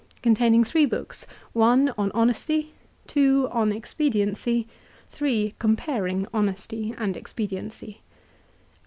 Containing three books I. On Honesty. II. On Expediency. III. Comparing Honesty and Expediency.